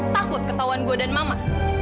takut ketahuan gue dan mama